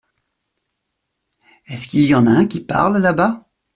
Est-ce qu’il y en a un qui parle là-bas ?